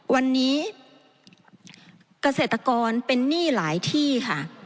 วันนี้เกษตรกรเป็นหนี้หลายที่ค่ะ